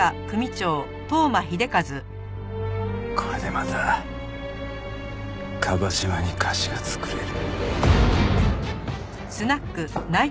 これでまた椛島に貸しが作れる。